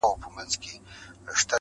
خوله يوه ښه ده، خو خبري اورېدل ښه دي